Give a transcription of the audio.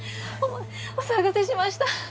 お騒がせしました